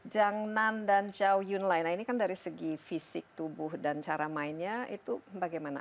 jang nan dan zhao yunlai nah ini kan dari segi fisik tubuh dan cara mainnya itu bagaimana